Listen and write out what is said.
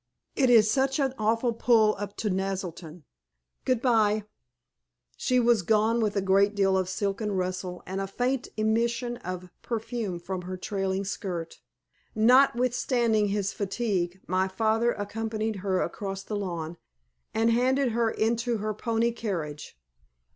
It is such an awful pull up to Naselton. Goodbye." She was gone with a good deal of silken rustle, and a faint emission of perfume from her trailing skirt. Notwithstanding his fatigue, my father accompanied her across the lawn, and handed her into her pony carriage.